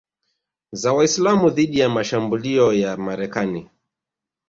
za Waislamu dhidi ya mashambulio ya Marekani